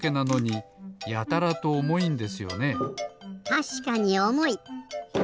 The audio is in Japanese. たしかにおもい！